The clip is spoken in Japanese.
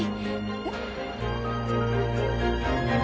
えっ？